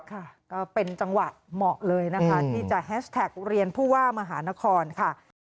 ก็เป็นจังหวะเหมาะเลยนะคะที่จะแฮชแท็กเรียนผู้ว่ามหานครค่ะ